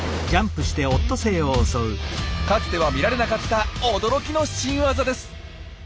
かつては見られなかった驚きの「新ワザ」です。